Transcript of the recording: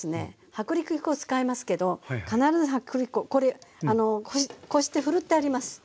薄力粉使いますけど必ず薄力粉これこしてふるってあります。